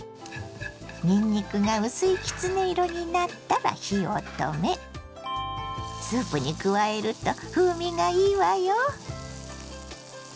にんにくが薄いきつね色になったら火を止めスープに加えると風味がいいわよ。